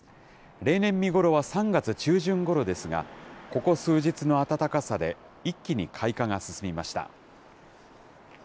例年、見頃は３月中旬頃ですが、ここ数日の暖かさで、一気に開花が進みました。